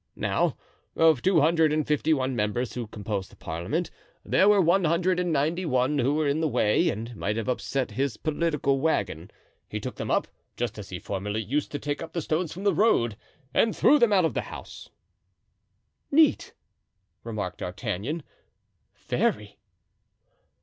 Now, of two hundred and fifty one members who composed the parliament, there were one hundred and ninety one who were in the way and might have upset his political wagon. He took them up, just as he formerly used to take up the stones from the road, and threw them out of the house." "Neat," remarked D'Artagnan. "Very!"